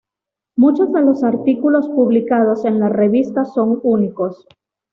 Muchos de los artículos publicados en la revista son únicos.